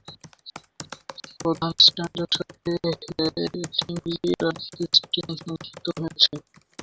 প্রধান স্ট্যান্ডের সাথে হেডিংলি রাগবি স্টেডিয়াম সংযুক্ত রয়েছে।